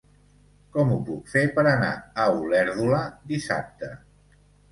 Com ho puc fer per anar a Olèrdola dissabte?